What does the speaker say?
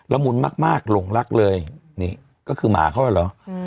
ละมุนมากมากหลงรักเลยนี่ก็คือหมาเขาหรออืม